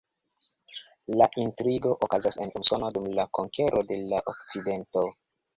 La intrigo okazas en Usono dum la konkero de la okcidento.